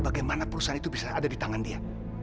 bagaimana perusahaan itu bisa ada di tangan dia